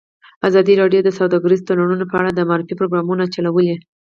ازادي راډیو د سوداګریز تړونونه په اړه د معارفې پروګرامونه چلولي.